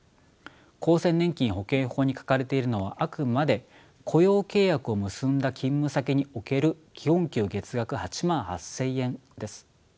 厚生年金保険法に書かれているのはあくまで雇用契約を結んだ勤務先における基本給月額８万８，０００円です。